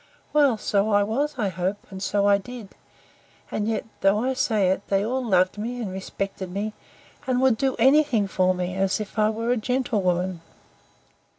Well, so I was, I hope, and so I did; and yet, though I say it, they all loved me and respected me; and would do any thing for me, as if I was a gentlewoman.